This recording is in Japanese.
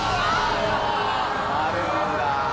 あるんだ。